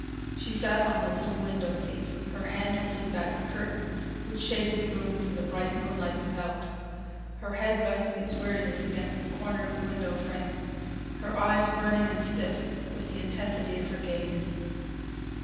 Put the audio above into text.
She sat on the little window seat, her hand holding back the curtain which shaded the room from the bright moonlight without; her head resting its weariness against the corner of the window frame; her eyes burning and stiff with the intensity of her gaze.